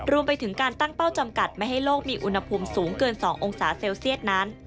รวมไปถึงการตั้งเป้าจำกัดไม่ให้โลกมีอุณหภูมิสูงเกิน๒องศาเซลเซียตนั้น